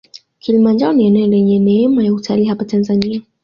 kilimanjaro ni eneo lenye neema ya utalii hapa tanzania